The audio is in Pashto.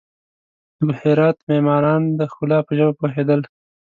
د هرات معماران د ښکلا په ژبه پوهېدل.